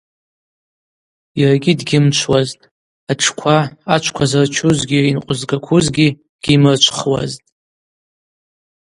Йаргьи дгьымчвуазтӏ, атшква, ачвква зырчузгьи йынкъвызгаквузгьи гьйымрычвхуазтӏ.